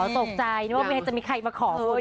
อ๋อตกใจมีใครจะมาขอผลกัน